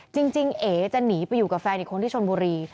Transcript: เอ๋จะหนีไปอยู่กับแฟนอีกคนที่ชนบุรี